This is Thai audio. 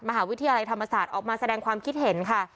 มหาวิทยาลัยธรรมศาสตร์ออกมาแสดงความคิดเห็นค่ะ